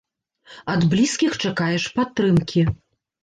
Ад блізкіх чакаеш падтрымкі.